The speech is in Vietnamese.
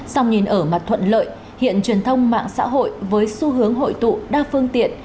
xong nhìn ở mặt thuận lợi hiện truyền thông mạng xã hội với xu hướng hội tụ đa phương tiện